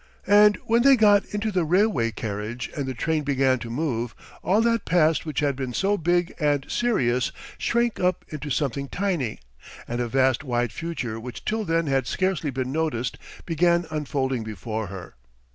And when they got into the railway carriage and the train began to move, all that past which had been so big and serious shrank up into something tiny, and a vast wide future which till then had scarcely been noticed began unfolding before her.